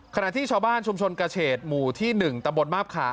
ขณะที่ชาวบ้านชุมชนกระเฉดหมู่ที่๑ตะบนมาบขา